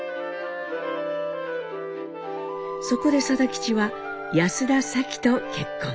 そこで定吉は安田サキと結婚。